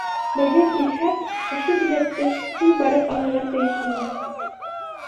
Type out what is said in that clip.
Белгең килһә, ошо билетты һин барып алырға тейеш инең.